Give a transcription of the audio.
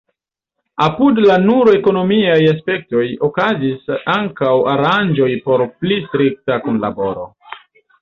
Apud la nur ekonomiaj aspektoj, okazis ankaŭ aranĝoj por pli strikta kunlaboro.